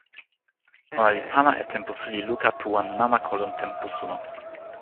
ona li pana e tenpo suli luka tu wan namako lon tenpo suno.